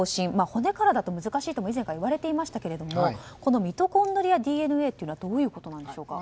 骨からだと難しいと以前から言われていましたがミトコンドリアＤＮＡというのはどういうことなのでしょうか。